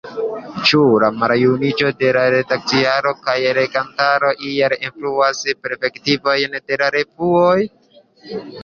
Ĉu la maljuniĝo de la redakcianaro kaj legantaro iel influas perspektivojn de la revuo?